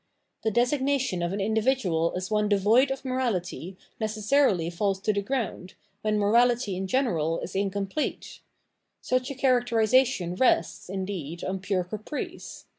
The designation of an individual as one devoid of morality necessarily faUs to the ground, when morality in general is incomplete ; such a characterisation rests, indeed, on pure caprice.